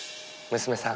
娘さん。